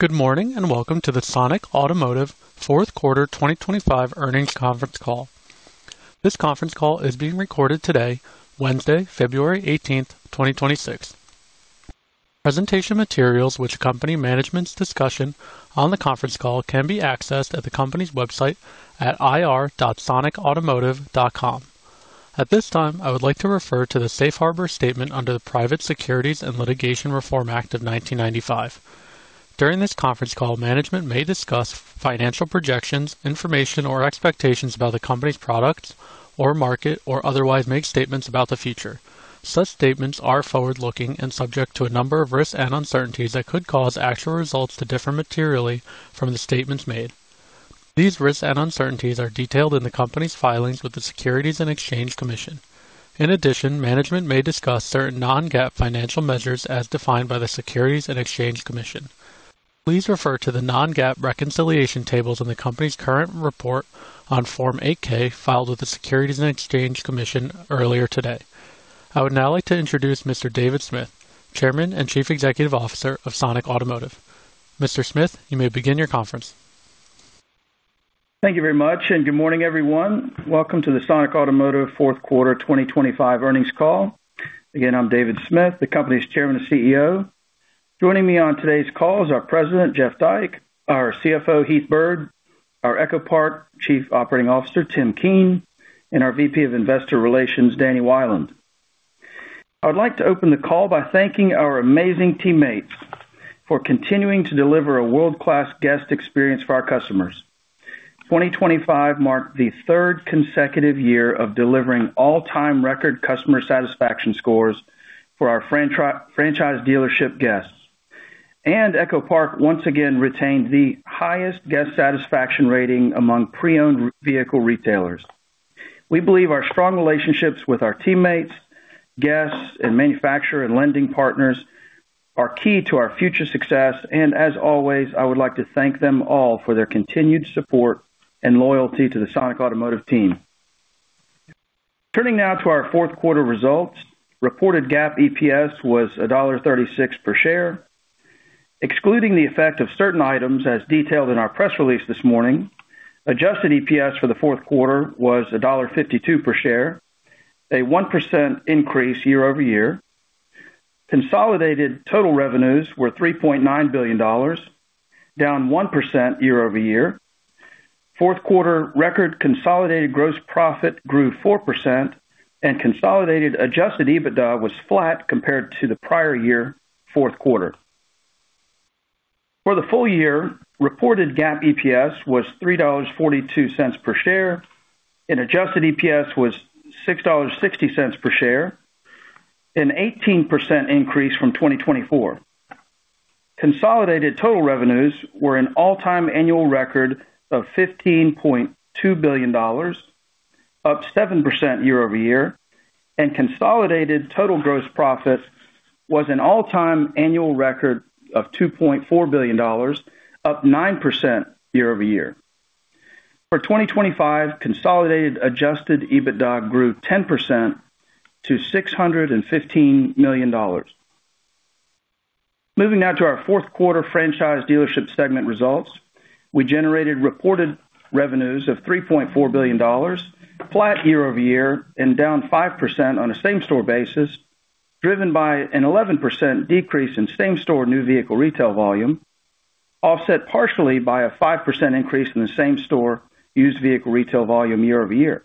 Good morning, and welcome to the Sonic Automotive fourth quarter 2025 earnings conference call. This conference call is being recorded today, Wednesday, February 18, 2026. Presentation materials which accompany management's discussion on the conference call can be accessed at the company's website at ir.sonicautomotive.com. At this time, I would like to refer to the Safe Harbor statement under the Private Securities Litigation Reform Act of 1995. During this conference call, management may discuss financial projections, information, or expectations about the company's products or market, or otherwise make statements about the future. Such statements are forward-looking and subject to a number of risks and uncertainties that could cause actual results to differ materially from the statements made. These risks and uncertainties are detailed in the company's filings with the Securities and Exchange Commission. In addition, management may discuss certain Non-GAAP financial measures as defined by the Securities and Exchange Commission. Please refer to the non-GAAP reconciliation tables in the company's current report on Form 8-K, filed with the Securities and Exchange Commission earlier today. I would now like to introduce Mr. David Smith, Chairman and Chief Executive Officer of Sonic Automotive. Mr. Smith, you may begin your conference. Thank you very much, and good morning, everyone. Welcome to the Sonic Automotive fourth quarter 2025 earnings call. Again, I'm David Smith, the company's Chairman and CEO. Joining me on today's call is our President, Jeff Dyke, our CFO, Heath Byrd, our EchoPark Chief Operating Officer, Tim Keen, and our VP of Investor Relations, Danny Wieland. I would like to open the call by thanking our amazing teammates for continuing to deliver a world-class guest experience for our customers. 2025 marked the third consecutive year of delivering all-time record customer satisfaction scores for our franchise dealership guests, and EchoPark once again retained the highest guest satisfaction rating among pre-owned vehicle retailers. We believe our strong relationships with our teammates, guests, and manufacturer and lending partners are key to our future success. As always, I would like to thank them all for their continued support and loyalty to the Sonic Automotive team. Turning now to our fourth quarter results. Reported GAAP EPS was $1.36 per share, excluding the effect of certain items, as detailed in our press release this morning. Adjusted EPS for the fourth quarter was $1.52 per share, a 1% increase year-over-year. Consolidated total revenues were $3.9 billion, down 1% year-over-year. Fourth quarter record consolidated gross profit grew 4% and consolidated Adjusted EBITDA was flat compared to the prior year, fourth quarter. For the full year, reported GAAP EPS was $3.42 per share, and Adjusted EPS was $6.60 per share, an 18% increase from 2024. Consolidated total revenues were an all-time annual record of $15.2 billion, up 7% year-over-year, and consolidated total gross profit was an all-time annual record of $2.4 billion, up 9% year-over-year. For 2025, consolidated Adjusted EBITDA grew 10% to $615 million. Moving now to our fourth quarter franchise dealership segment results. We generated reported revenues of $3.4 billion, flat year-over-year and down 5% on a same-store basis, driven by an 11% decrease in same-store new vehicle retail volume, offset partially by a 5% increase in the same-store used vehicle retail volume year-over-year.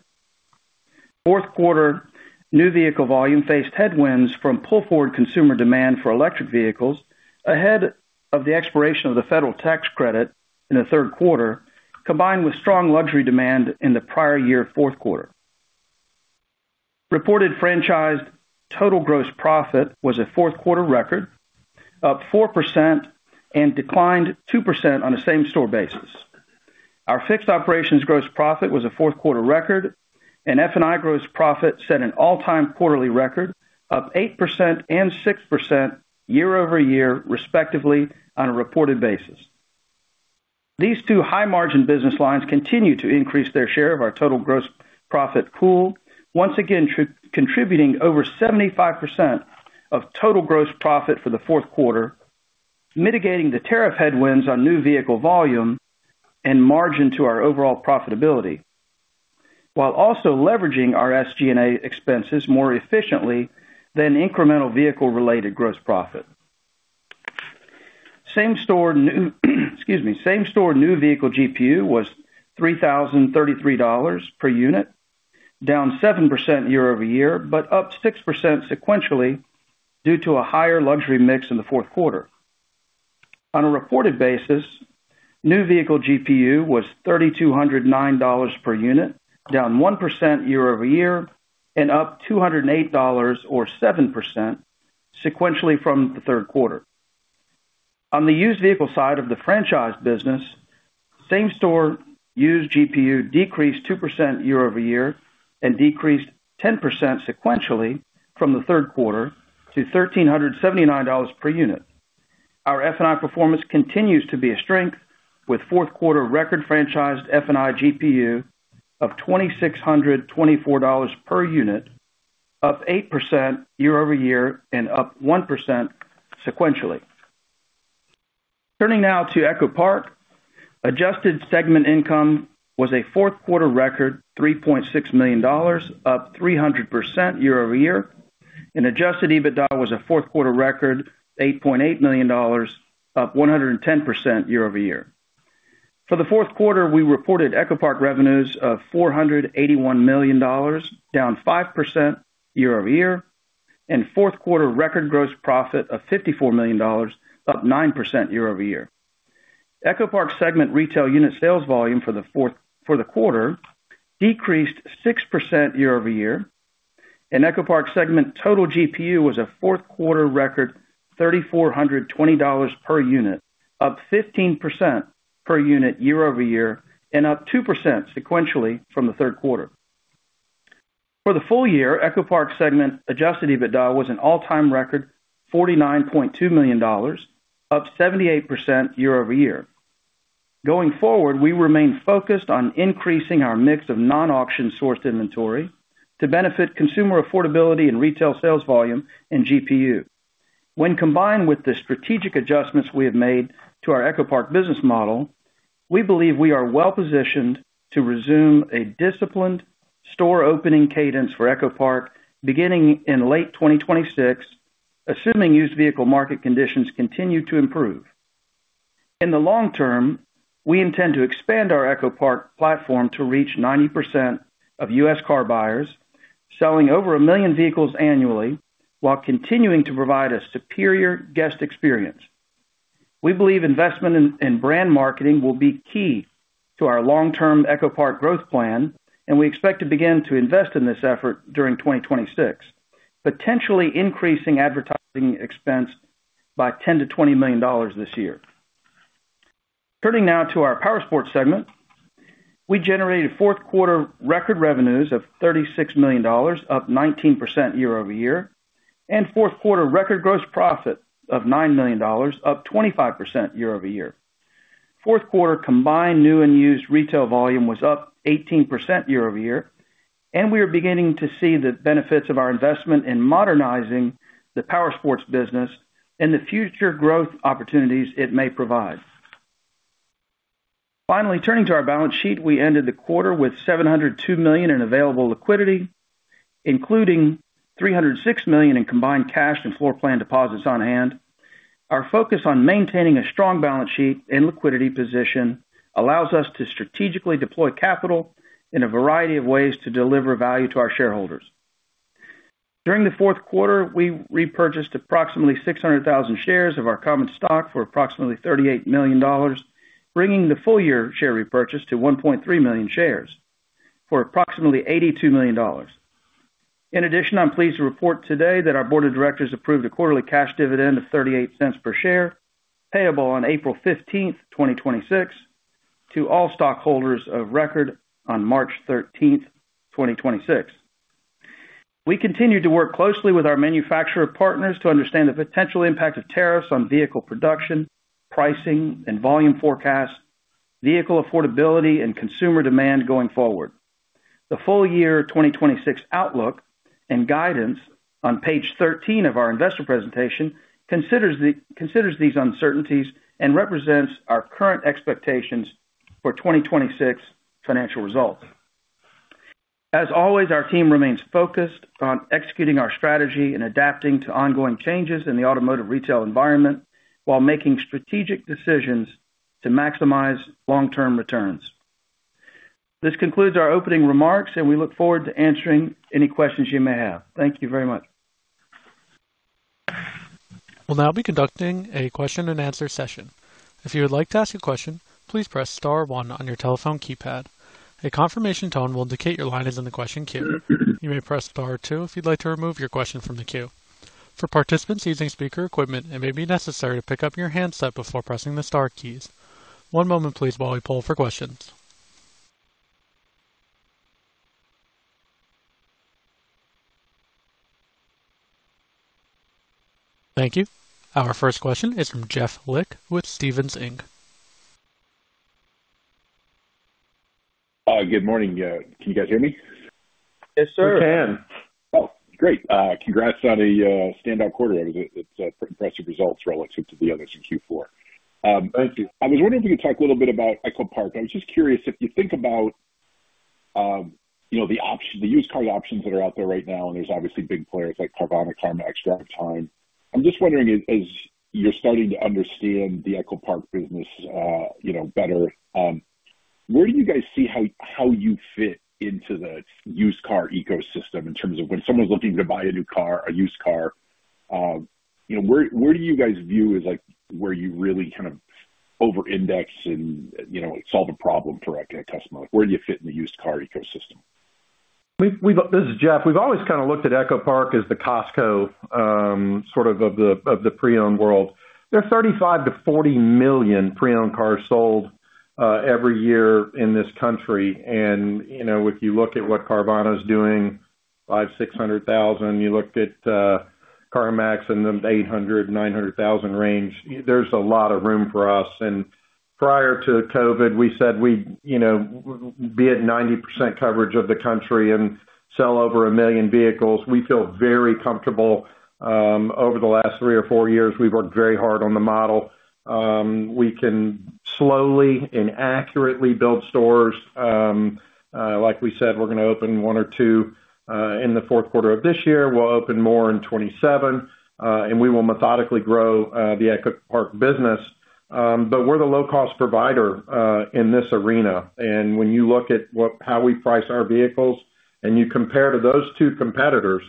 Fourth quarter new vehicle volume faced headwinds from pull-forward consumer demand for electric vehicles ahead of the expiration of the federal tax credit in the third quarter, combined with strong luxury demand in the prior year fourth quarter. Reported franchised total gross profit was a fourth quarter record, up 4% and declined 2% on a same-store basis. Our fixed operations gross profit was a fourth quarter record, and F&I gross profit set an all-time quarterly record, up 8% and 6% year-over-year, respectively, on a reported basis. These two high-margin business lines continue to increase their share of our total gross profit pool, once again, typically contributing over 75% of total gross profit for the fourth quarter, mitigating the tariff headwinds on new vehicle volume and margin to our overall profitability, while also leveraging our SG&A expenses more efficiently than incremental vehicle-related gross profit. Same-store new, excuse me, same-store new vehicle GPU was $3,033 per unit, down 7% year-over-year, but up 6% sequentially due to a higher luxury mix in the fourth quarter. On a reported basis, new vehicle GPU was $3,209 per unit, down 1% year-over-year and up $208 or 7% sequentially from the third quarter. On the used vehicle side of the franchise business, same-store used GPU decreased 2% year-over-year and decreased 10% sequentially from the third quarter to $1,379 per unit. Our F&I performance continues to be a strength, with fourth quarter record franchised F&I GPU of $2,624 per unit, up 8% year-over-year and up 1% sequentially. Turning now to EchoPark. Adjusted segment income was a fourth quarter record, $3.6 million, up 300% year-over-year, and Adjusted EBITDA was a fourth quarter record, $8.8 million, up 110% year-over-year. For the fourth quarter, we reported EchoPark revenues of $481 million, down 5% year-over-year, and fourth quarter record gross profit of $54 million, up 9% year-over-year. EchoPark segment retail unit sales volume for the fourth quarter decreased 6% year-over-year, and EchoPark segment total GPU was a fourth quarter record, $3,420 per unit, up 15% per unit year-over-year and up 2% sequentially from the third quarter. For the full year, EchoPark segment Adjusted EBITDA was an all-time record, $49.2 million, up 78% year-over-year. Going forward, we remain focused on increasing our mix of non-auction sourced inventory to benefit consumer affordability and retail sales volume and GPU. When combined with the strategic adjustments we have made to our EchoPark business model, we believe we are well-positioned to resume a disciplined store opening cadence for EchoPark beginning in late 2026, assuming used vehicle market conditions continue to improve. In the long term, we intend to expand our EchoPark platform to reach 90% of U.S. car buyers, selling over 1 million vehicles annually, while continuing to provide a superior guest experience. We believe investment in brand marketing will be key to our long-term EchoPark growth plan, and we expect to begin to invest in this effort during 2026, potentially increasing advertising expense by $10-$20 million this year. Turning now to our Powersports segment. We generated fourth quarter record revenues of $36 million, up 19% year-over-year, and fourth quarter record gross profit of $9 million, up 25% year-over-year. Fourth quarter combined new and used retail volume was up 18% year-over-year, and we are beginning to see the benefits of our investment in modernizing the Powersports business and the future growth opportunities it may provide. Finally, turning to our balance sheet. We ended the quarter with $702 million in available liquidity, including $306 million in combined cash and floorplan deposits on hand. Our focus on maintaining a strong balance sheet and liquidity position allows us to strategically deploy capital in a variety of ways to deliver value to our shareholders. During the fourth quarter, we repurchased approximately 600,000 shares of our common stock for approximately $38 million, bringing the full year share repurchase to 1.3 million shares for approximately $82 million. In addition, I'm pleased to report today that our board of directors approved a quarterly cash dividend of $0.38 per share, payable on April 15, 2026, to all stockholders of record on March 13, 2026. We continue to work closely with our manufacturer partners to understand the potential impact of tariffs on vehicle production, pricing and volume forecasts, vehicle affordability, and consumer demand going forward. The full year 2026 outlook and guidance on page 13 of our investor presentation considers these uncertainties and represents our current expectations for 2026 financial results. As always, our team remains focused on executing our strategy and adapting to ongoing changes in the automotive retail environment while making strategic decisions to maximize long-term returns. This concludes our opening remarks, and we look forward to answering any questions you may have. Thank you very much. We'll now be conducting a question-and-answer session. If you would like to ask a question, please press star one on your telephone keypad. A confirmation tone will indicate your line is in the question queue. You may press star two if you'd like to remove your question from the queue. For participants using speaker equipment, it may be necessary to pick up your handset before pressing the star keys. One moment please while we poll for questions. Thank you. Our first question is from Jeff Flick with Stephens, Inc. Good morning. Can you guys hear me? Yes, sir. We can. Oh, great. Congrats on a standout quarter. It's pretty impressive results relative to the others in Q4. Thank you. I was wondering if you could talk a little bit about EchoPark. I was just curious if you think about, you know, the used car options that are out there right now, and there's obviously big players like Carvana, CarMax, at the time. I'm just wondering, as, as you're starting to understand the EchoPark business, you know, better, where do you guys see how, how you fit into the used car ecosystem in terms of when someone's looking to buy a new car, a used car, you know, where, where do you guys view as, like, where you really kind of overindex and, you know, solve a problem directly at a customer? Where do you fit in the used car ecosystem? This is Jeff. We've always kind of looked at EchoPark as the Costco sort of of the pre-owned world. There are 35-40 million pre-owned cars sold every year in this country, and, you know, if you look at what Carvana is doing, 500,000-600,000, you looked at CarMax in the 800,000-900,000 range. There's a lot of room for us, and prior to COVID, we said we'd, you know, be at 90% coverage of the country and sell over 1 million vehicles. We feel very comfortable over the last 3 or 4 years, we've worked very hard on the model. We can slowly and accurately build stores. Like we said, we're going to open 1 or 2 in the fourth quarter of this year. We'll open more in 27, and we will methodically grow the EchoPark business. But we're the low-cost provider in this arena. And when you look at how we price our vehicles and you compare to those two competitors,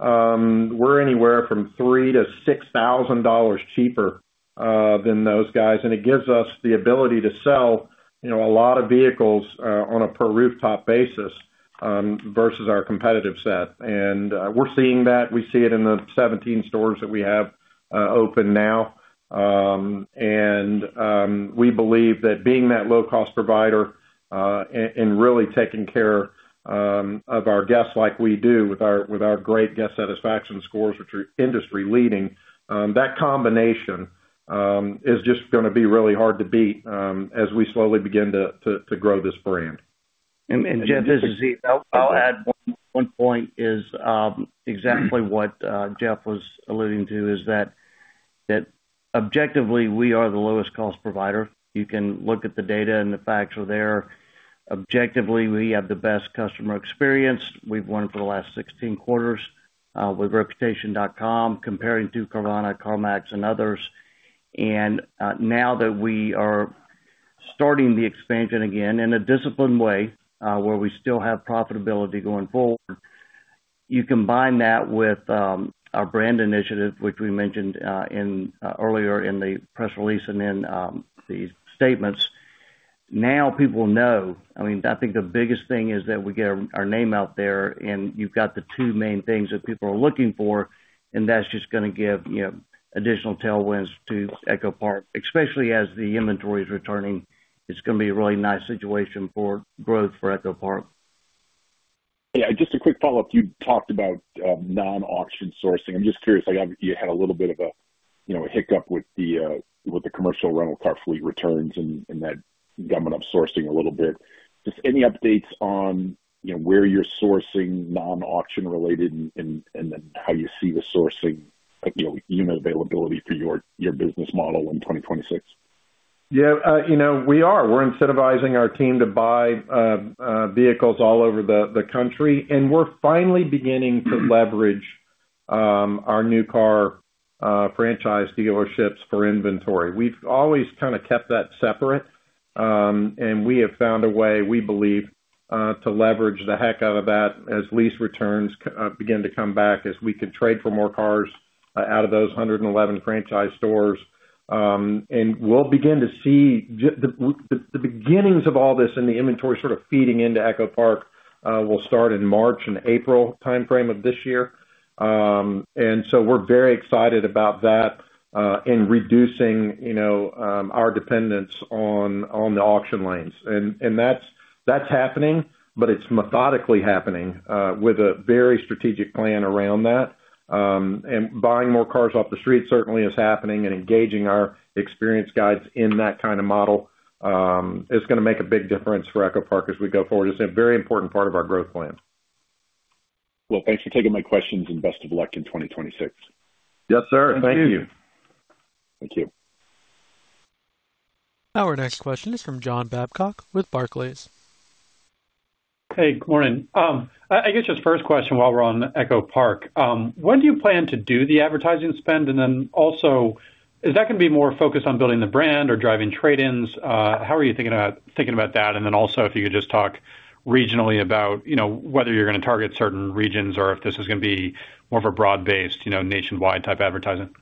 we're anywhere from $3,000-$6,000 cheaper than those guys, and it gives us the ability to sell, you know, a lot of vehicles on a per rooftop basis versus our competitive set. And we're seeing that. We see it in the 17 stores that we have open now. We believe that being that low-cost provider and really taking care of our guests like we do with our great guest satisfaction scores, which are industry-leading, that combination is just going to be really hard to beat as we slowly begin to grow this brand. And Jeff, this is Heath. I'll add one point, is exactly what Jeff was alluding to, is that objectively, we are the lowest cost provider. You can look at the data, and the facts are there. Objectively, we have the best customer experience. We've won for the last 16 quarters with Reputation.com, comparing to Carvana, CarMax, and others. And now that we are starting the expansion again in a disciplined way, where we still have profitability going forward, you combine that with our brand initiative, which we mentioned earlier in the press release and in the statements. Now, people know. I mean, I think the biggest thing is that we get our name out there, and you've got the two main things that people are looking for, and that's just going to give, you know, additional tailwinds to EchoPark, especially as the inventory is returning. It's going to be a really nice situation for growth for EchoPark. Yeah, just a quick follow-up. You talked about non-auction sourcing. I'm just curious, like, you had a little bit of a, you know, a hiccup with the with the commercial rental car fleet returns and that gumming up sourcing a little bit. Just any updates on, you know, where you're sourcing non-auction related and then how you see the sourcing, like, you know, unit availability for your business model in 2026? Yeah, you know, we are. We're incentivizing our team to buy vehicles all over the country, and we're finally beginning to leverage our new car franchise dealerships for inventory. We've always kind of kept that separate, and we have found a way, we believe, to leverage the heck out of that as lease returns begin to come back, as we can trade for more cars out of those 111 franchise stores. And we'll begin to see the beginnings of all this and the inventory sort of feeding into EchoPark will start in March and April timeframe of this year. And so we're very excited about that in reducing, you know, our dependence on the auction lanes. That's happening, but it's methodically happening with a very strategic plan around that. And buying more cars off the street certainly is happening, and engaging our experienced guides in that kind of model is going to make a big difference for EchoPark as we go forward. It's a very important part of our growth plan. Well, thanks for taking my questions, and best of luck in 2026. Yes, sir. Thank you. Thank you. Thank you. Our next question is from John Babcock with Barclays. Hey, good morning. I guess, just first question while we're on EchoPark. When do you plan to do the advertising spend? And then also, is that going to be more focused on building the brand or driving trade-ins? How are you thinking about that? And then also, if you could just talk regionally about, you know, whether you're going to target certain regions or if this is going to be more of a broad-based, you know, nationwide type advertising.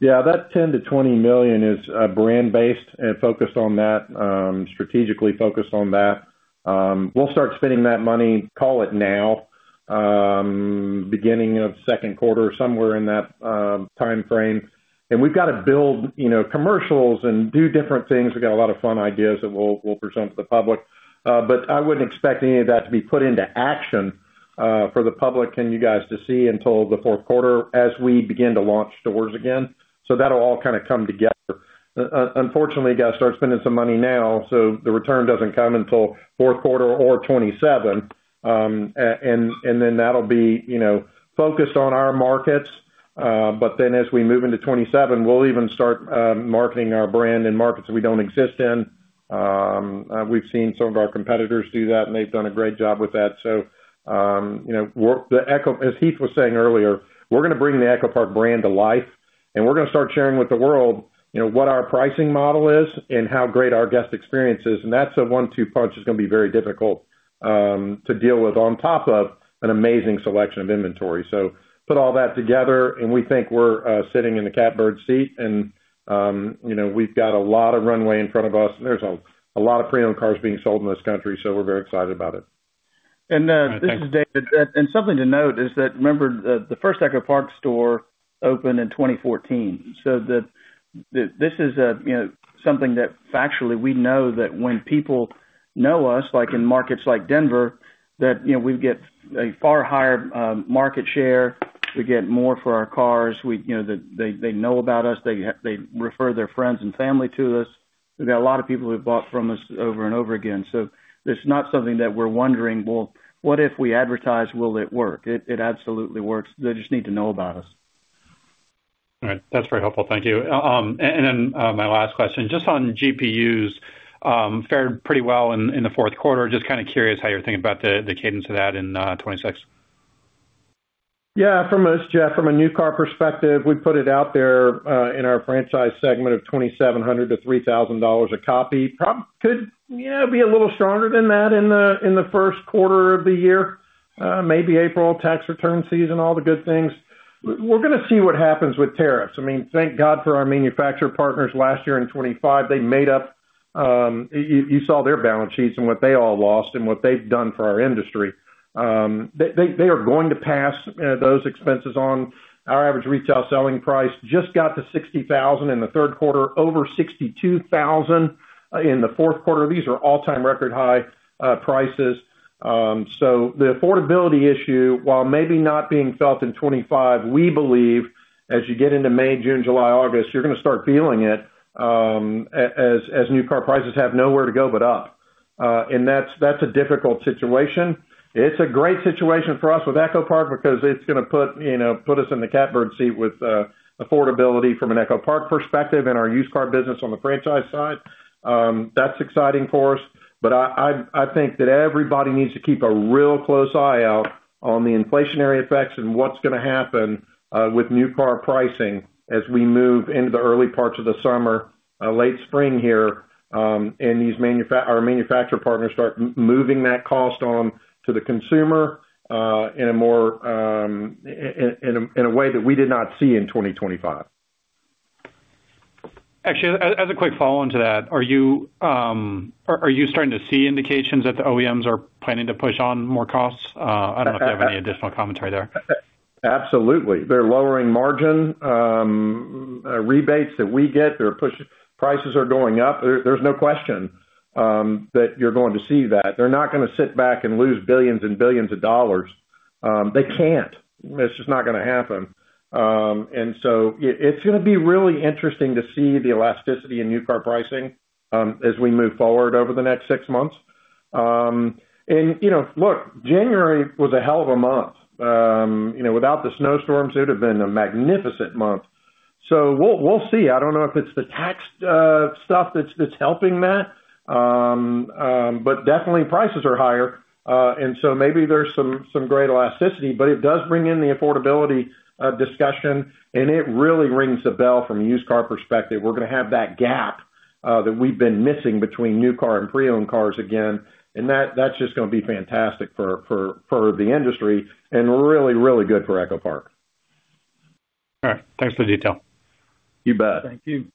Yeah, that $10 million-$20 million is brand-based and focused on that, strategically focused on that. We'll start spending that money, call it now, beginning of second quarter, somewhere in that timeframe. And we've got to build, you know, commercials and do different things. We've got a lot of fun ideas that we'll present to the public. But I wouldn't expect any of that to be put into action for the public and you guys to see until the fourth quarter as we begin to launch stores again. So that'll all kind of come together. Unfortunately, you got to start spending some money now, so the return doesn't come until fourth quarter or 2027. And then that'll be, you know, focused on our markets, but then as we move into 2027, we'll even start marketing our brand in markets that we don't exist in. We've seen some of our competitors do that, and they've done a great job with that. So, you know, we're the EchoPark, as Heath was saying earlier, we're going to bring the EchoPark brand to life, and we're going to start sharing with the world, you know, what our pricing model is and how great our guest experience is, and that's a one-two punch that's going to be very difficult to deal with, on top of an amazing selection of inventory. So put all that together, and we think we're sitting in the catbird seat, and you know, we've got a lot of runway in front of us, and there's a lot of pre-owned cars being sold in this country, so we're very excited about it. This is David. Something to note is that, remember, the first EchoPark store opened in 2014. So this is, you know, something that factually, we know that when people know us, like in markets like Denver, that, you know, we get a far higher market share, we get more for our cars, we, you know, they, they know about us, they refer their friends and family to us.... We've got a lot of people who have bought from us over and over again. So it's not something that we're wondering, Well, what if we advertise, will it work? It, it absolutely works. They just need to know about us. All right. That's very helpful. Thank you. And then, my last question, just on GPUs, fared pretty well in the fourth quarter. Just kind of curious how you're thinking about the cadence of that in 2026. Yeah, from us, Jeff, from a new car perspective, we put it out there in our franchise segment of $2,700-$3,000 a copy. Probably could, yeah, be a little stronger than that in the first quarter of the year, maybe April, tax return season, all the good things. We're going to see what happens with tariffs. I mean, thank God for our manufacturer partners last year in 2025, they made up. You saw their balance sheets and what they all lost and what they've done for our industry. They are going to pass those expenses on. Our average retail selling price just got to $60,000 in the third quarter, over $62,000 in the fourth quarter. These are all-time record high prices. So the affordability issue, while maybe not being felt in 2025, we believe as you get into May, June, July, August, you're going to start feeling it, as, as new car prices have nowhere to go but up. And that's, that's a difficult situation. It's a great situation for us with EchoPark, because it's going to put, you know, put us in the catbird seat with affordability from an EchoPark perspective and our used car business on the franchise side. That's exciting for us, but I think that everybody needs to keep a real close eye out on the inflationary effects and what's going to happen with new car pricing as we move into the early parts of the summer, late spring here, and our manufacturer partners start moving that cost on to the consumer in a more, in a way that we did not see in 2025. Actually, as a quick follow-on to that, are you starting to see indications that the OEMs are planning to push on more costs? I don't know if you have any additional commentary there. Absolutely. They're lowering margin, rebates that we get, they're pushing-- prices are going up. There's no question that you're going to see that. They're not going to sit back and lose billions and billions of dollars. They can't. It's just not going to happen. It's going to be really interesting to see the elasticity in new car pricing as we move forward over the next six months. You know, look, January was a hell of a month. You know, without the snowstorms, it would have been a magnificent month. We'll see. I don't know if it's the tax stuff that's helping that, but definitely prices are higher, and so maybe there's some great elasticity, but it does bring in the affordability discussion, and it really rings a bell from a used car perspective. We're going to have that gap that we've been missing between new car and pre-owned cars again, and that's just going to be fantastic for the industry and really good for EchoPark. All right. Thanks for the detail. You bet. Thank you.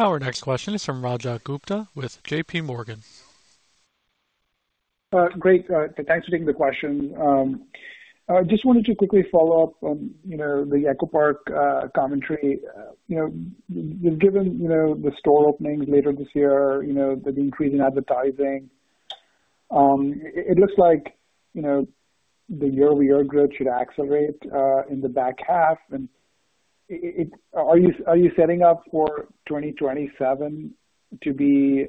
Our next question is from Rajat Gupta with JP Morgan. Great. Thanks for taking the question. I just wanted to quickly follow up on, you know, the EchoPark commentary. You know, given, you know, the store openings later this year, you know, the increase in advertising, it looks like, you know, the year-over-year growth should accelerate in the back half. And are you setting up for 2027 to be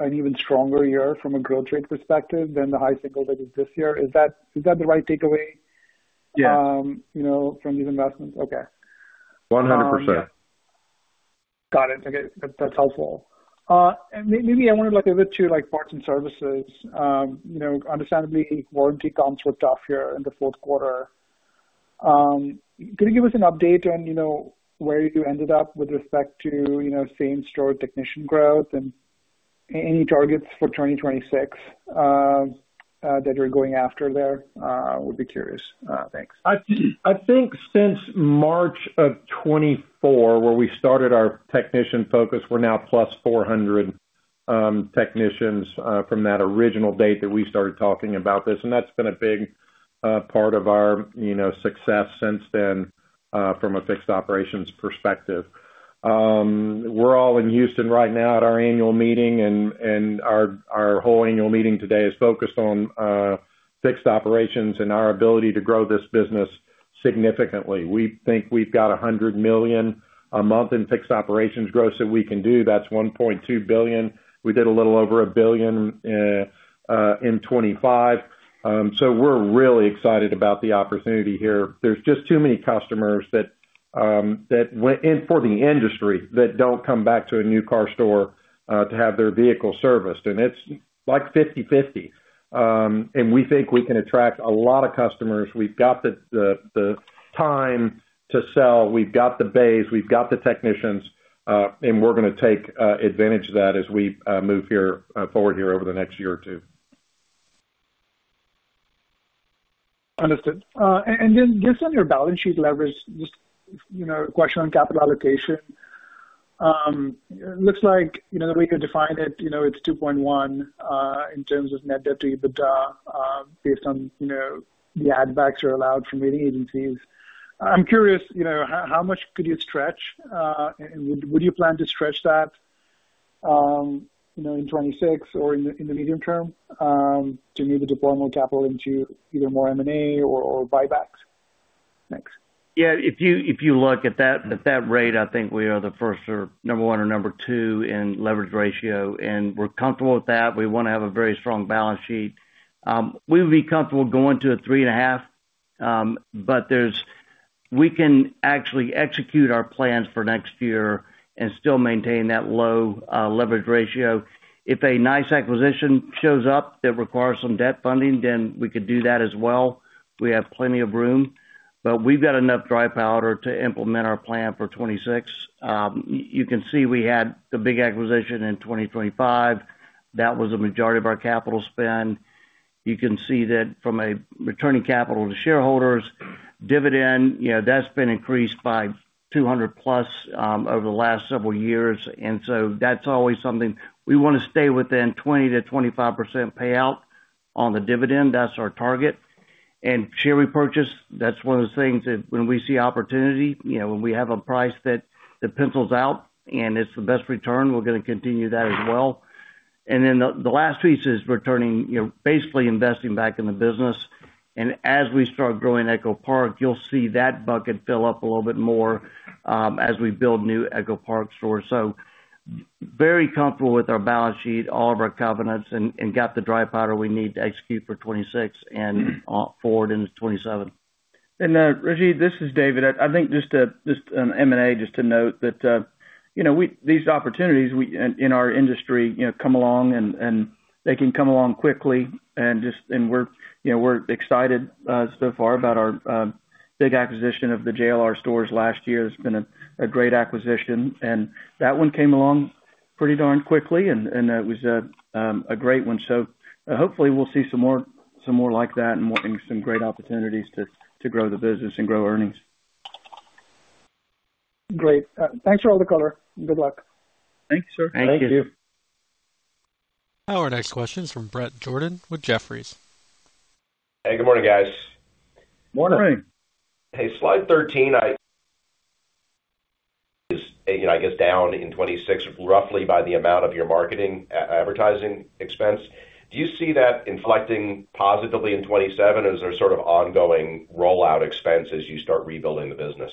an even stronger year from a growth rate perspective than the high cycle that is this year? Is that the right takeaway? Yeah. You know, from these investments? Okay. 100%. Got it. Okay, that's, that's helpful. And maybe I want to look a bit to, like, parts and services. You know, understandably, warranty comps were tough here in the fourth quarter. Can you give us an update on, you know, where you ended up with respect to, you know, Same-Store technician growth and any targets for 2026 that you're going after there? Would be curious. Thanks. I think since March of 2024, where we started our technician focus, we're now plus 400 technicians from that original date that we started talking about this, and that's been a big part of our, you know, success since then from a fixed operations perspective. We're all in Houston right now at our annual meeting, and our whole annual meeting today is focused on fixed operations and our ability to grow this business significantly. We think we've got $100 million a month in fixed operations growth that we can do. That's $1.2 billion. We did a little over $1 billion in 2025. So we're really excited about the opportunity here. There's just too many customers that, and for the industry, that don't come back to a new car store, to have their vehicle serviced, and it's like 50/50. And we think we can attract a lot of customers. We've got the time to sell, we've got the base, we've got the technicians, and we're going to take advantage of that as we move forward over the next year or two. Understood. And then just on your balance sheet leverage, just, you know, a question on capital allocation. It looks like, you know, that we could define it, you know, it's 2.1 in terms of net debt to EBITDA based on, you know, the add backs are allowed from rating agencies. I'm curious, you know, how much could you stretch? And would you plan to stretch that?... you know, in 2026 or in the medium term, to either deploy more capital into either more M&A or buybacks? Thanks. Yeah, if you look at that rate, I think we are the first or 1 or 2 in leverage ratio, and we're comfortable with that. We wanna have a very strong balance sheet. We would be comfortable going to a 3.5, but we can actually execute our plans for next year and still maintain that low leverage ratio. If a nice acquisition shows up that requires some debt funding, then we could do that as well. We have plenty of room. But we've got enough dry powder to implement our plan for 2026. You can see we had the big acquisition in 2025. That was a majority of our capital spend. You can see that from a returning capital to shareholders, dividend, you know, that's been increased by 200+ over the last several years, and so that's always something. We wanna stay within 20%-25% payout on the dividend. That's our target. And share repurchase, that's one of those things that when we see opportunity, you know, when we have a price that, that pencils out and it's the best return, we're gonna continue that as well. And then the last piece is returning, you know, basically investing back in the business. And as we start growing EchoPark, you'll see that bucket fill up a little bit more, as we build new EchoPark stores. So very comfortable with our balance sheet, all of our covenants, and got the dry powder we need to execute for 2026 and forward into 2027. And, Rajiv, this is David. I think just to, just on M&A, just to note that, you know, we—these opportunities we, in our industry, you know, come along and, and they can come along quickly. And just—and we're, you know, we're excited, so far about our, big acquisition of the JLR stores last year. It's been a great acquisition, and that one came along pretty darn quickly, and, it was a great one. So hopefully we'll see some more, some more like that and more—some great opportunities to, to grow the business and grow earnings. Great. Thanks for all the color. Good luck. Thank you, sir. Thank you. Our next question is from Bret Jordan with Jefferies. Hey, good morning, guys. Morning. Morning. Hey, slide 13, you know, I guess, down in 26, roughly by the amount of your marketing, ad, advertising expense. Do you see that inflecting positively in 27, or is there sort of ongoing rollout expense as you start rebuilding the business?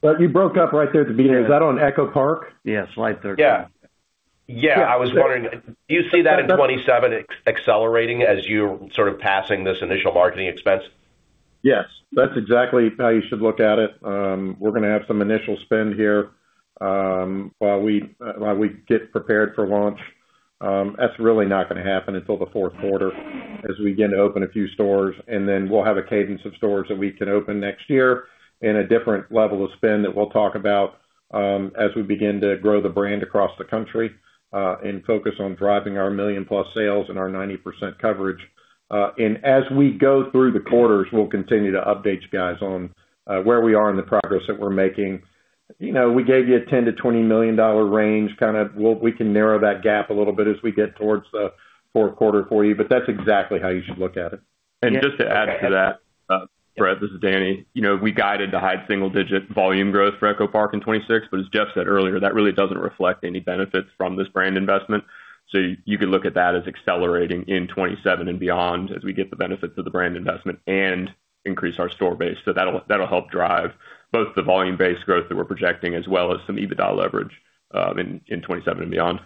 But you broke up right there at the beginning. Is that on EchoPark? Yeah, slide 13. Yeah. Yeah, I was wondering, do you see that in 2027 accelerating as you're sort of passing this initial marketing expense? Yes, that's exactly how you should look at it. We're gonna have some initial spend here, while we get prepared for launch. That's really not gonna happen until the fourth quarter as we begin to open a few stores, and then we'll have a cadence of stores that we can open next year and a different level of spend that we'll talk about, as we begin to grow the brand across the country, and focus on driving our million+ sales and our 90% coverage. And as we go through the quarters, we'll continue to update you guys on, where we are in the progress that we're making. You know, we gave you a $10 million-$20 million range, kind of. We can narrow that gap a little bit as we get towards the fourth quarter for you, but that's exactly how you should look at it. And just to add to that, Brett, this is Danny. You know, we guided to high single digit volume growth for EchoPark in 2026, but as Jeff said earlier, that really doesn't reflect any benefits from this brand investment. So you can look at that as accelerating in 2027 and beyond, as we get the benefits of the brand investment and increase our store base. So that'll, that'll help drive both the volume-based growth that we're projecting, as well as some EBITDA leverage, in, in 2027 and beyond.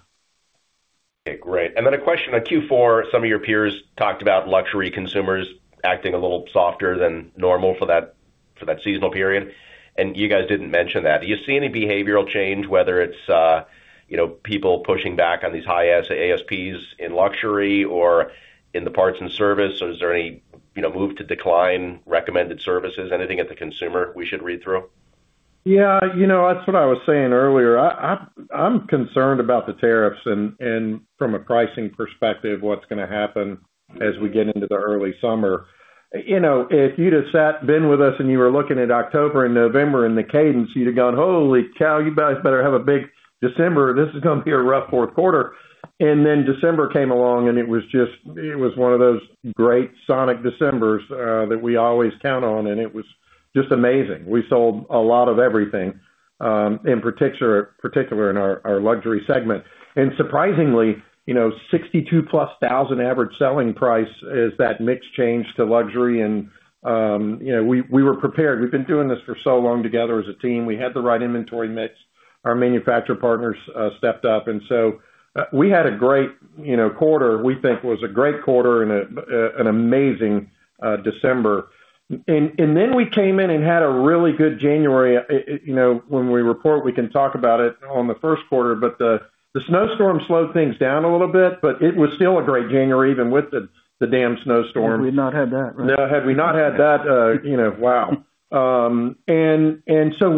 Okay, great. And then a question. On Q4, some of your peers talked about luxury consumers acting a little softer than normal for that, for that seasonal period, and you guys didn't mention that. Do you see any behavioral change, whether it's, you know, people pushing back on these high ASPs in luxury or in the parts and service? Or is there any, you know, move to decline recommended services, anything at the consumer we should read through? Yeah, you know, that's what I was saying earlier. I'm concerned about the tariffs and from a pricing perspective, what's gonna happen as we get into the early summer. You know, if you'd have been with us and you were looking at October and November and the cadence, you'd have gone, "Holy cow, you guys better have a big December. This is gonna be a rough fourth quarter." And then December came along, and it was just, it was one of those great Sonic Decembers that we always count on, and it was just amazing. We sold a lot of everything, in particular in our luxury segment. And surprisingly, you know, $62,000+ average selling price is that mix change to luxury, and you know, we were prepared. We've been doing this for so long together as a team. We had the right inventory mix. Our manufacturer partners stepped up, and so we had a great, you know, quarter. We think it was a great quarter and an amazing December. And then we came in and had a really good January. You know, when we report, we can talk about it on the first quarter, but the snowstorm slowed things down a little bit, but it was still a great January, even with the damn snowstorm. Had we not had that, right? Now, had we not had that, you know, wow! And so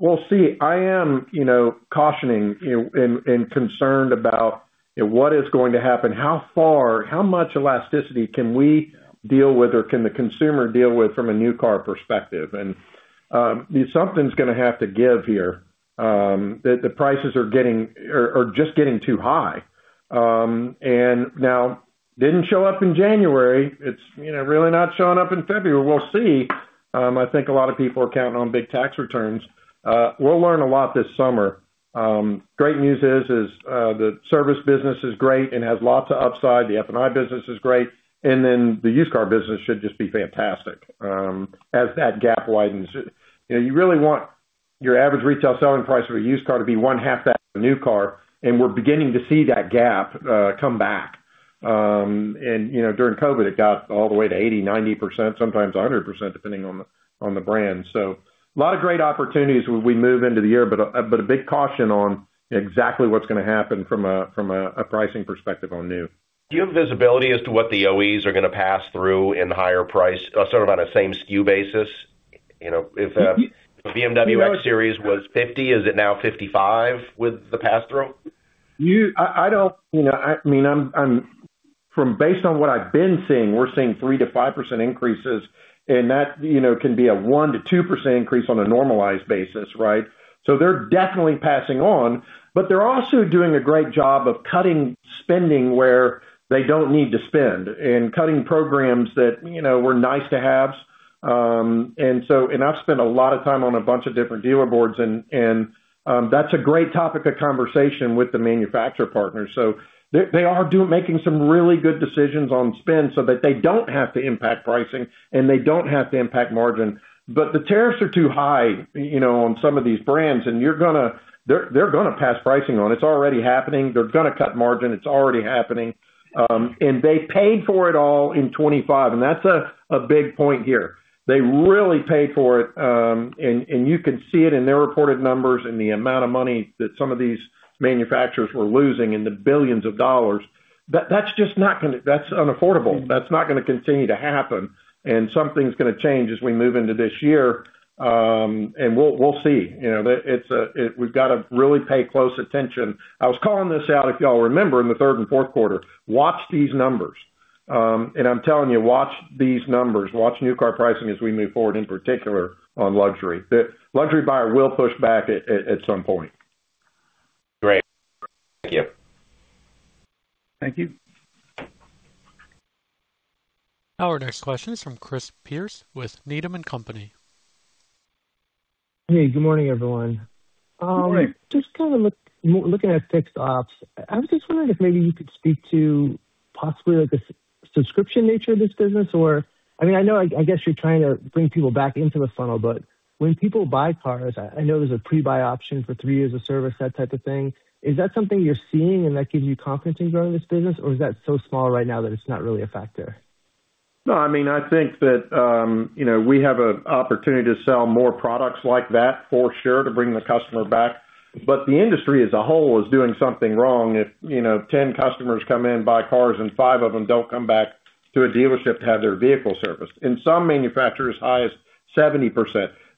we'll see. I am, you know, cautioning and concerned about what is going to happen, how far—how much elasticity can we deal with or can the consumer deal with from a new car perspective? And something's gonna have to give here. The prices are getting... are just getting too high. And now didn't show up in January. It's, you know, really not showing up in February. We'll see. I think a lot of people are counting on big tax returns. We'll learn a lot this summer. Great news is the service business is great and has lots of upside. The F&I business is great, and then the used car business should just be fantastic as that gap widens. You know, you really want your average retail selling price of a used car to be one half that of a new car, and we're beginning to see that gap come back. And, you know, during COVID, it got all the way to 80%-90%, sometimes 100%, depending on the brand. So a lot of great opportunities as we move into the year, but a big caution on exactly what's going to happen from a pricing perspective on new. Do you have visibility as to what the OEs are going to pass through in the higher price, sort of on a same SKU basis? You know, if a BMW X series was $50, is it now $55 with the pass-through? You know, I mean, based on what I've been seeing, we're seeing 3%-5% increases, and that, you know, can be a 1%-2% increase on a normalized basis, right? So they're definitely passing on, but they're also doing a great job of cutting spending where they don't need to spend, and cutting programs that, you know, were nice to haves. And I've spent a lot of time on a bunch of different dealer boards, and that's a great topic of conversation with the manufacturer partners. So they are making some really good decisions on spend so that they don't have to impact pricing and they don't have to impact margin. But the tariffs are too high, you know, on some of these brands, and you're gonna-- they're, they're gonna pass pricing on. It's already happening. They're gonna cut margin. It's already happening. And they paid for it all in 2025, and that's a, a big point here. They really paid for it, and, and you can see it in their reported numbers and the amount of money that some of these manufacturers were losing in the billions of dollars. That's just not gonna-- that's unaffordable. That's not gonna continue to happen, and something's gonna change as we move into this year. And we'll, we'll see. You know, that it's a... We've got to really pay close attention. I was calling this out, if you all remember, in the third and fourth quarter, watch these numbers. And I'm telling you, watch these numbers. Watch new car pricing as we move forward, in particular on luxury. The luxury buyer will push back at some point. Great. Thank you. Thank you. Our next question is from Chris Pierce with Needham and Company. Hey, good morning, everyone. Good morning. Just kind of looking at fixed ops, I was just wondering if maybe you could speak to possibly, like, the subscription nature of this business or... I mean, I guess you're trying to bring people back into the funnel, but when people buy cars, I know there's a pre-buy option for three years of service, that type of thing. Is that something you're seeing and that gives you confidence in growing this business? Or is that so small right now that it's not really a factor? No, I mean, I think that, you know, we have an opportunity to sell more products like that for sure, to bring the customer back. But the industry as a whole is doing something wrong if, you know, ten customers come in, buy cars, and five of them don't come back to a dealership to have their vehicle serviced. In some manufacturers, as high as 70%.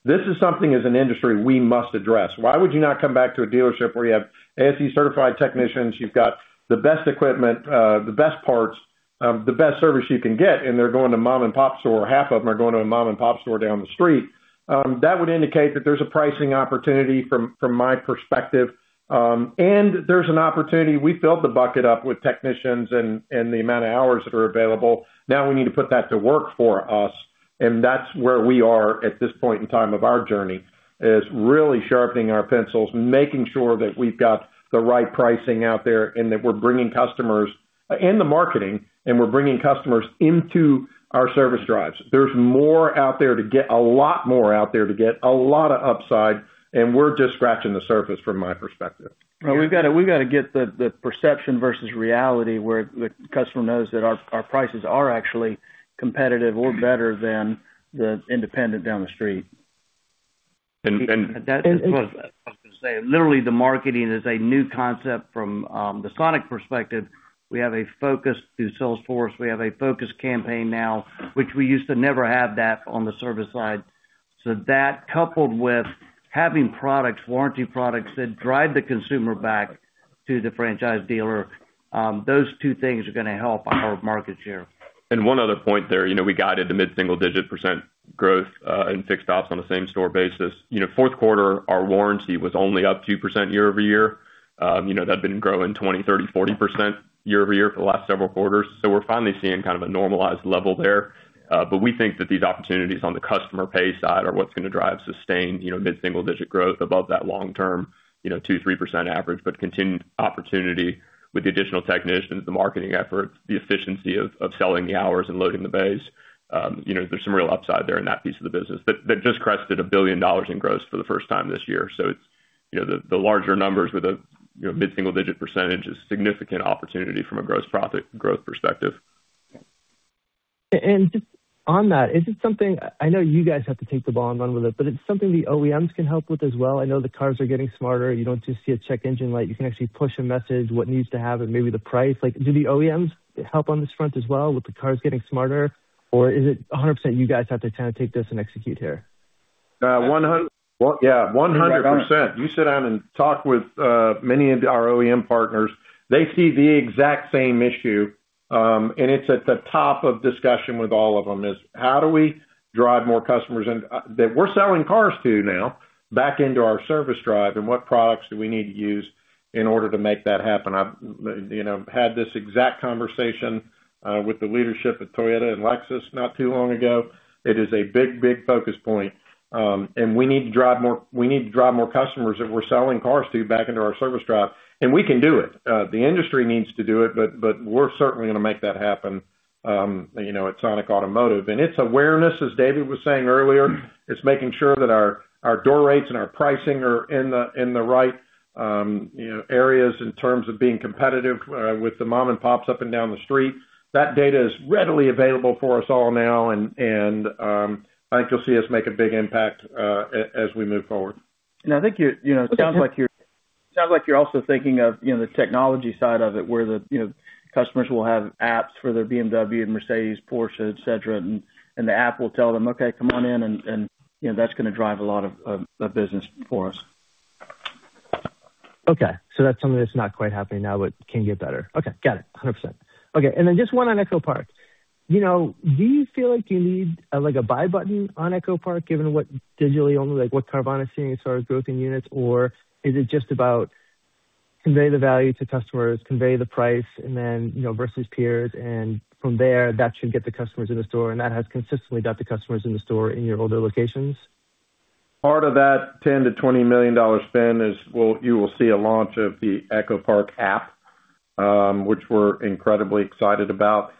This is something as an industry we must address. Why would you not come back to a dealership where you have ASE Certified Technicians, you've got the best equipment, the best parts, the best service you can get, and they're going to mom-and-pop store, or half of them are going to a mom-and-pop store down the street? That would indicate that there's a pricing opportunity from my perspective. And there's an opportunity. We filled the bucket up with technicians and the amount of hours that are available. Now we need to put that to work for us, and that's where we are at this point in time of our journey, is really sharpening our pencils, making sure that we've got the right pricing out there, and that we're bringing customers in the marketing, and we're bringing customers into our service drives. There's more out there to get, a lot more out there to get, a lot of upside, and we're just scratching the surface from my perspective. Well, we've got to get the perception versus reality, where the customer knows that our prices are actually competitive or better than the independent down the street. And, and- That is what I was going to say. Literally, the marketing is a new concept from, the Sonic perspective. We have a focus through Salesforce. We have a focus campaign now, which we used to never have that on the service side. So that, coupled with having products, warranty products, that drive the consumer back to the franchise dealer, those two things are going to help our market share. One other point there, you know, we guided the mid-single-digit % growth in fixed ops on a same-store basis. You know, fourth quarter, our warranty was only up 2% year-over-year. You know, that had been growing 20, 30, 40% year-over-year for the last several quarters. So we're finally seeing kind of a normalized level there. But we think that these opportunities on the customer pay side are what's going to drive sustained, you know, mid-single-digit % growth above that long-term 2-3% average. But continued opportunity with the additional technicians, the marketing efforts, the efficiency of, of selling the hours and loading the bays, you know, there's some real upside there in that piece of the business. That, that just crested $1 billion in gross for the first time this year. So it's, you know, the larger numbers with a, you know, mid-single-digit % is a significant opportunity from a gross profit growth perspective. And just on that, is it something... I know you guys have to take the ball and run with it, but it's something the OEMs can help with as well? I know the cars are getting smarter. You don't just see a check engine light. You can actually push a message, what needs to happen, maybe the price. Like, do the OEMs help on this front as well, with the cars getting smarter, or is it 100% you guys have to kind of take this and execute here?... One hundred percent. You sit down and talk with many of our OEM partners, they see the exact same issue, and it's at the top of discussion with all of them, is how do we drive more customers and that we're selling cars to now, back into our service drive, and what products do we need to use in order to make that happen? I've, you know, had this exact conversation with the leadership at Toyota and Lexus not too long ago. It is a big, big focus point. And we need to drive more, we need to drive more customers that we're selling cars to back into our service drive, and we can do it. The industry needs to do it, but, but we're certainly going to make that happen, you know, at Sonic Automotive. It's awareness, as David was saying earlier, it's making sure that our door rates and our pricing are in the right, you know, areas in terms of being competitive with the mom-and-pops up and down the street. That data is readily available for us all now, and I think you'll see us make a big impact as we move forward. I think you're, you know, it sounds like you're also thinking of, you know, the technology side of it, where the, you know, customers will have apps for their BMW and Mercedes, Porsche, et cetera, and, you know, that's going to drive a lot of business for us. Okay. So that's something that's not quite happening now, but can get better. Okay, got it. 100%. Okay, and then just one on EchoPark. You know, do you feel like you need, like, a buy button on EchoPark, given what digitally only, like, what Carvana is seeing as far as growth in units? Or is it just about convey the value to customers, convey the price, and then, you know, versus peers, and from there, that should get the customers in the store, and that has consistently got the customers in the store in your older locations? Part of that $10 million-$20 million spend is, well, you will see a launch of the EchoPark app, which we're incredibly excited about.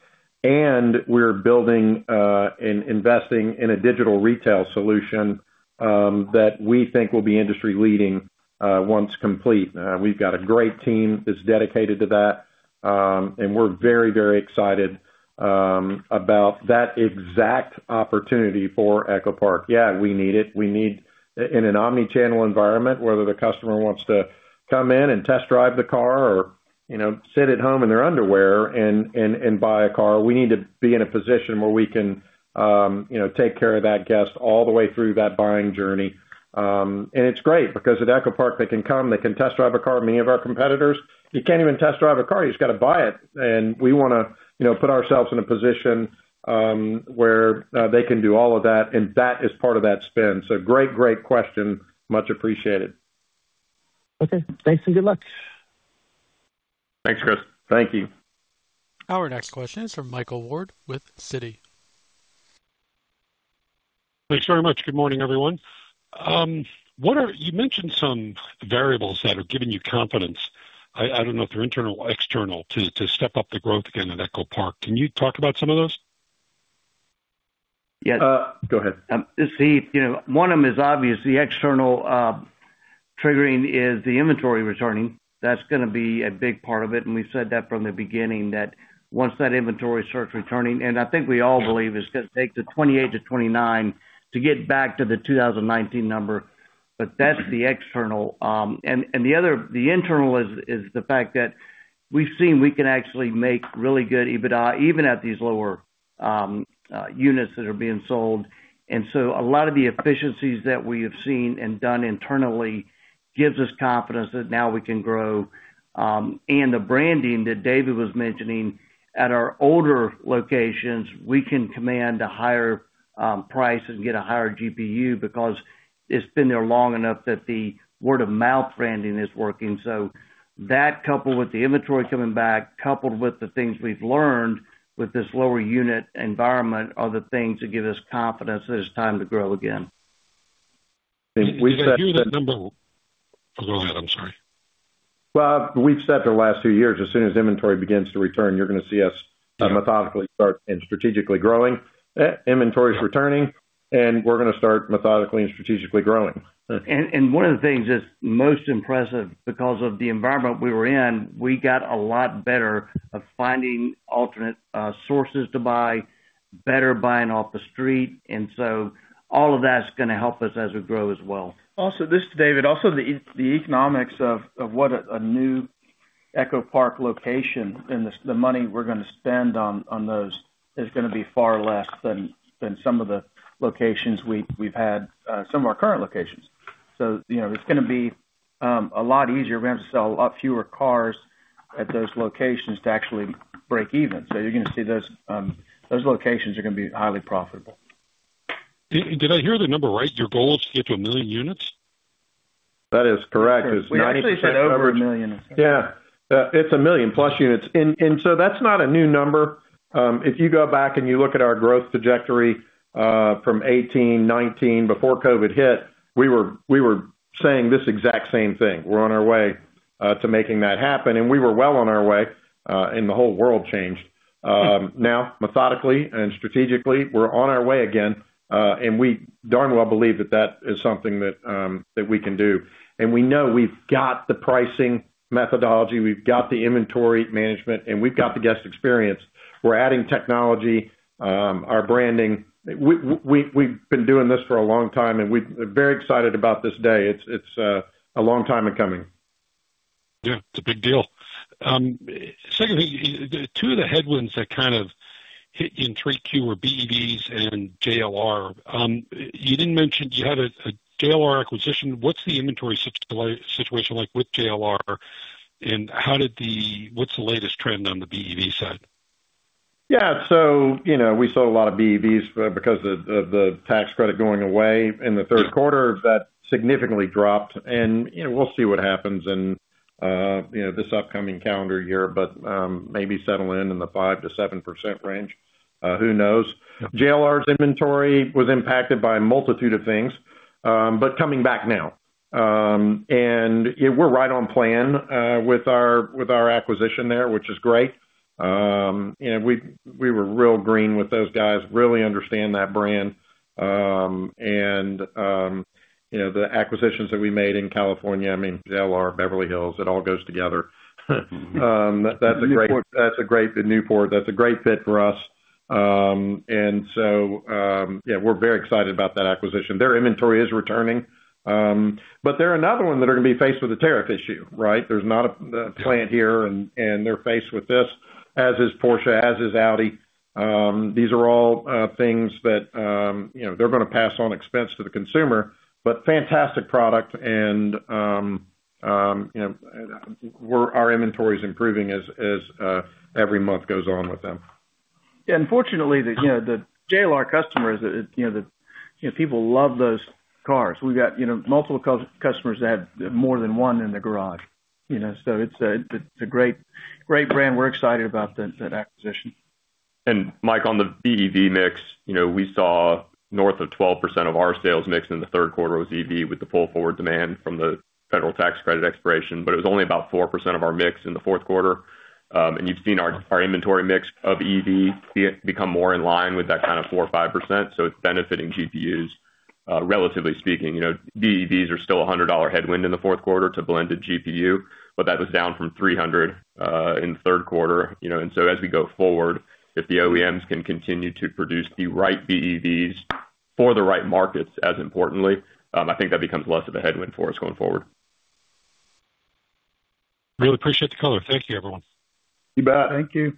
We're building and investing in a digital retail solution that we think will be industry-leading once complete. We've got a great team that's dedicated to that, and we're very, very excited about that exact opportunity for EchoPark. Yeah, we need it. We need, in an omni-channel environment, whether the customer wants to come in and test drive the car or, you know, sit at home in their underwear and buy a car, we need to be in a position where we can, you know, take care of that guest all the way through that buying journey. It's great, because at EchoPark, they can come, they can test drive a car. Many of our competitors, you can't even test drive a car, you just got to buy it. We want to, you know, put ourselves in a position where they can do all of that, and that is part of that spend. Great, great question. Much appreciated. Okay. Thanks, and good luck. Thanks, Chris. Thank you. Our next question is from Michael Ward with Citi. Thanks very much. Good morning, everyone. You mentioned some variables that are giving you confidence, I don't know if they're internal or external, to step up the growth again at EchoPark. Can you talk about some of those? Yes. Go ahead. It's Heath. You know, one of them is obvious, the external triggering is the inventory returning. That's going to be a big part of it, and we've said that from the beginning, that once that inventory starts returning, and I think we all believe it's going to take to 2028 to 2029 to get back to the 2019 number, but that's the external. And the other, the internal is the fact that we've seen we can actually make really good EBITDA, even at these lower units that are being sold. And so a lot of the efficiencides that we have seen and done internally gives us confidence that now we can grow. And the branding that David was mentioning, at our older locations, we can command a higher price and get a higher GPU because it's been there long enough that the word-of-mouth branding is working. So that, coupled with the inventory coming back, coupled with the things we've learned with this lower unit environment, are the things that give us confidence that it's time to grow again. We said- Did I hear that number? ... Go ahead, I'm sorry. Well, we've said the last few years, as soon as inventory begins to return, you're going to see us- Yeah Inventory is returning, and we're going to start methodically and strategically growing. One of the things that's most impressive because of the environment we were in, we got a lot better at finding alternate sources to buy, better buying off the street, and so all of that's going to help us as we grow as well. Also, this to David, the economics of what a new EchoPark location and the money we're going to spend on those is going to be far less than some of the locations we've had, some of our current locations. So, you know, it's going to be a lot easier. We're going to have to sell a lot fewer cars at those locations to actually break even. So you're going to see those locations are going to be highly profitable. Did I hear the number right? Your goal is to get to 1 million units? That is correct. It's actually said over 1 million. Yeah. It's 1 million+ units. And so that's not a new number. If you go back and you look at our growth trajectory, from 2018, 2019, before COVID hit, we were saying this exact same thing. We're on our way to making that happen, and we were well on our way, and the whole world changed. Now, methodically and strategically, we're on our way again, and we darn well believe that that is something that we can do. And we know we've got the pricing methodology, we've got the inventory management, and we've got the guest experience. We're adding technology, our branding. We've been doing this for a long time, and we're very excited about this day. It's a long time in coming.... Yeah, it's a big deal. Secondly, the two of the headwinds that kind of hit you in 3Q were BEVs and JLR. You didn't mention you had a JLR acquisition. What's the inventory situation like with JLR, and what's the latest trend on the BEV side? Yeah, so, you know, we sold a lot of BEVs because of the tax credit going away in the third quarter. That significantly dropped, and, you know, we'll see what happens in, you know, this upcoming calendar year, but maybe settle in the 5 -7% range. Who knows? JLR's inventory was impacted by a multitude of things, but coming back now. And, yeah, we're right on plan with our acquisition there, which is great. You know, we were real green with those guys, really understand that brand. And, you know, the acquisitions that we made in California, I mean, JLR, Beverly Hills, it all goes together. That's a great- Newport. The Newport. That's a great fit for us. So, yeah, we're very excited about that acquisition. Their inventory is returning, but they're another one that are going to be faced with a tariff issue, right? There's not a plant here, and they're faced with this, as is Porsche, as is Audi. These are all things that, you know, they're going to pass on expense to the consumer, but fantastic product, and, you know, our inventory is improving as every month goes on with them. Yeah, unfortunately, you know, the JLR customers, you know, people love those cars. We've got, you know, multiple customers that have more than one in their garage, you know, so it's a great, great brand. We're excited about that acquisition. Mike, on the BEV mix, you know, we saw north of 12% of our sales mix in the third quarter was EV, with the pull-forward demand from the federal tax credit expiration, but it was only about 4% of our mix in the fourth quarter. You've seen our, our inventory mix of EV become more in line with that kind of 4% or 5%, so it's benefiting GPUs, relatively speaking. You know, BEVs are still a $100 headwind in the fourth quarter to blended GPU, but that was down from $300 in the third quarter, you know, and so as we go forward, if the OEMs can continue to produce the right BEVs for the right markets, as importantly, I think that becomes less of a headwind for us going forward. Really appreciate the color. Thank you, everyone. You bet. Thank you.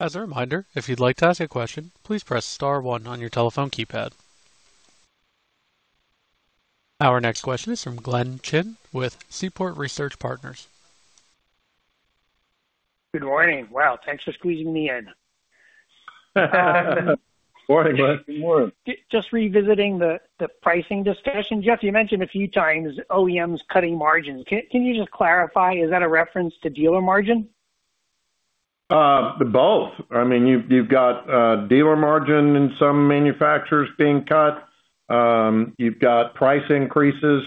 As a reminder, if you'd like to ask a question, please press star one on your telephone keypad. Our next question is from Glenn Chin with Seaport Research Partners. Good morning. Wow, thanks for squeezing me in. Morning, Glenn. Good morning. Just revisiting the pricing discussion, Jeff, you mentioned a few times OEMs cutting margins. Can you just clarify, is that a reference to dealer margin? Both. I mean, you've, you've got dealer margin in some manufacturers being cut. You've got price increases,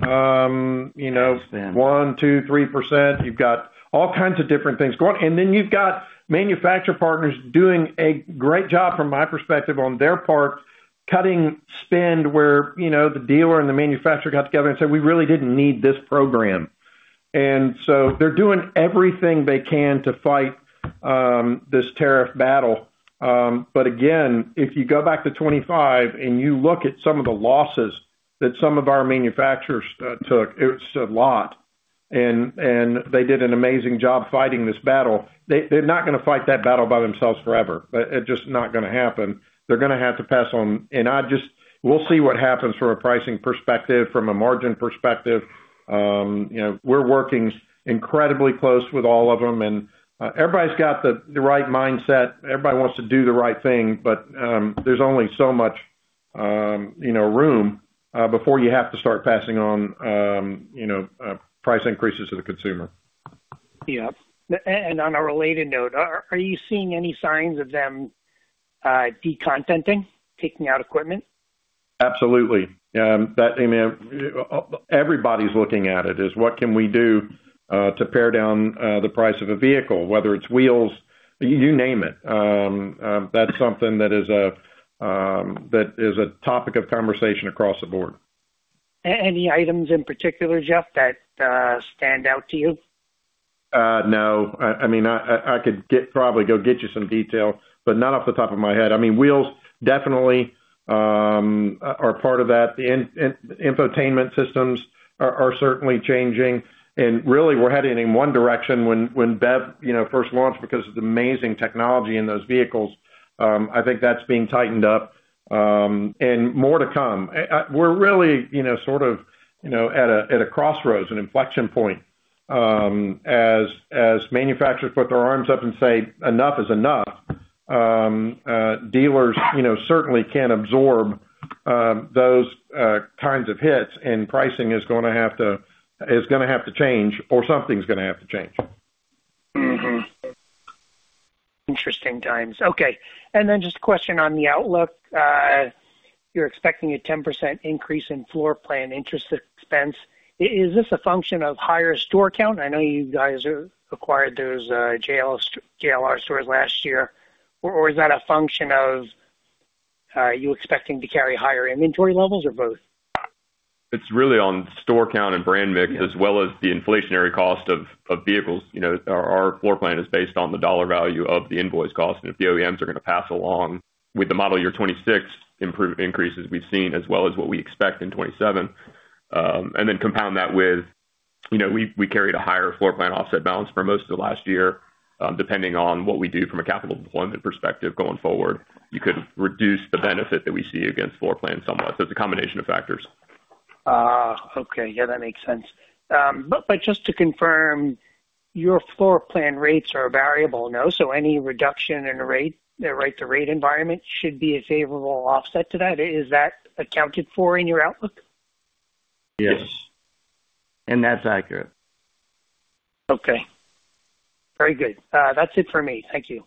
you know, 1, 2, 3%. You've got all kinds of different things going... And then you've got manufacturer partners doing a great job, from my perspective, on their part, cutting spend where, you know, the dealer and the manufacturer got together and said, "We really didn't need this program." And so they're doing everything they can to fight this tariff battle. But again, if you go back to 25 and you look at some of the losses that some of our manufacturers took, it's a lot. And they did an amazing job fighting this battle. They're not going to fight that battle by themselves forever. It's just not going to happen. They're going to have to pass on... I just—we'll see what happens from a pricing perspective, from a margin perspective. You know, we're working incredibly close with all of them, and everybody's got the right mindset. Everybody wants to do the right thing, but there's only so much you know room before you have to start passing on you know price increases to the consumer. Yeah. And on a related note, are you seeing any signs of them decontenting, taking out equipment? Absolutely. That, I mean, everybody's looking at it, as what can we do to pare down the price of a vehicle, whether it's wheels, you name it. That's something that is a topic of conversation across the board. Any items in particular, Jeff, that stand out to you? No. I mean, I could get, probably go get you some detail, but not off the top of my head. I mean, wheels definitely are part of that. The infotainment systems are certainly changing, and really, we're heading in one direction when BEV, you know, first launched, because of the amazing technology in those vehicles, I think that's being tightened up, and more to come. We're really, you know, sort of, you know, at a crossroads, an inflection point, as manufacturers put their arms up and say, "Enough is enough." Dealers, you know, certainly can't absorb those kinds of hits, and pricing is going to have to change, or something's going to have to change. Mm-hmm. Interesting times. Okay, and then just a question on the outlook. You're expecting a 10% increase in floorplan interest expense. Is this a function of higher store count? I know you guys acquired those JLR stores last year. Or is that a function of you expecting to carry higher inventory levels, or both? It's really on store count and brand mix, as well as the inflationary cost of vehicles. You know, our floorplan is based on the dollar value of the invoice cost, and if the OEMs are going to pass along the model year 2026 price increases we've seen, as well as what we expect in 2027. And then compound that with, you know, we carried a higher floorplan offset balance for most of last year. Depending on what we do from a capital deployment perspective going forward, you could reduce the benefit that we see against floorplan somewhat. So it's a combination of factors. Okay. Yeah, that makes sense. But just to confirm, your floorplan rates are variable, no? So any reduction in the rate, the rate to rate environment should be a favorable offset to that. Is that accounted for in your outlook? Yes. That's accurate. Okay. Very good. That's it for me. Thank you.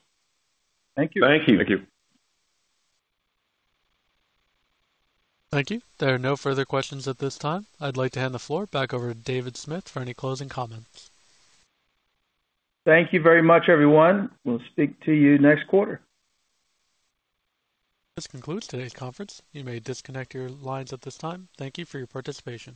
Thank you. Thank you. Thank you. Thank you. There are no further questions at this time. I'd like to hand the floor back over to David Smith for any closing comments. Thank you very much, everyone. We'll speak to you next quarter. This concludes today's conference. You may disconnect your lines at this time. Thank you for your participation.